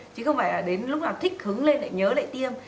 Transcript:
chứ không phải là đến lúc nào thích hứng lên lại nhớ lại tiêm